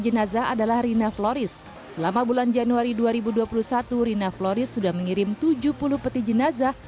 jenazah adalah rina floris selama bulan januari dua ribu dua puluh satu rina floris sudah mengirim tujuh puluh peti jenazah